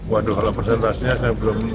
waduh kalau presentasinya saya belum tahu